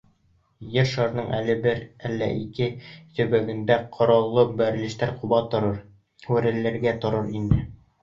Ер шарының әле бер, әле икенсе төбәгендә ҡораллы бәрелештәр ҡуба торор, һүрелә торор инде.